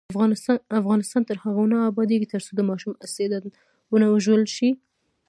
افغانستان تر هغو نه ابادیږي، ترڅو د ماشوم استعداد ونه وژل شي.